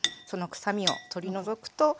その臭みを取り除くと。